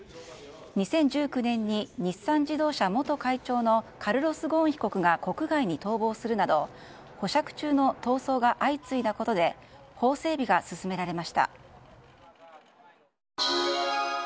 ２０１９年に日産自動車元会長のカルロス・ゴーン被告が国外に逃亡するなど保釈中の逃走が相次いだことで法整備が進められました。